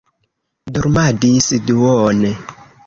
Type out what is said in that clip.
Dormadis duone.